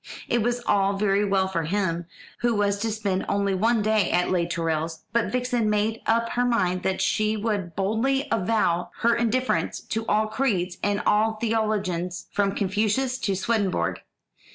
It was all very well for him, who was to spend only one day at Les Tourelles; but Vixen made up her mind that she would boldly avow her indifference to all creeds and all theologians, from Confucius to Swedenborg.